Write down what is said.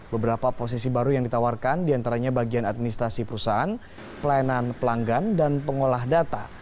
beberapa posisi baru yang ditawarkan diantaranya bagian administrasi perusahaan pelayanan pelanggan dan pengolah data